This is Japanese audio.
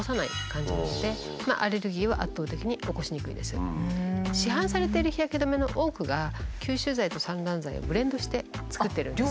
ですから市販されている日焼け止めの多くが吸収剤と散乱剤をブレンドして作ってるんですね。